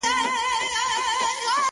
o د رڼا كور ته مي يو څو غمي راڼه راتوی كړه.